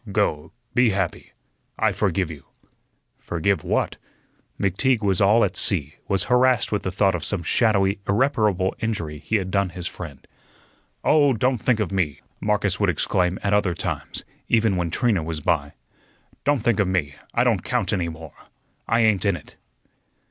Go, be happy. I forgive you." Forgive what? McTeague was all at sea, was harassed with the thought of some shadowy, irreparable injury he had done his friend. "Oh, don't think of me!" Marcus would exclaim at other times, even when Trina was by. "Don't think of me; I don't count any more. I ain't in it."